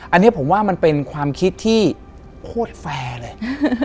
อันนี้ผมว่ามันเป็นความคิดที่โคตรแฟร์เลย